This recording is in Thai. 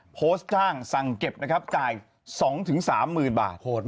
โพสต์จ้างสั่งเก็บนะครับจ่าย๒๓๐๐๐บาท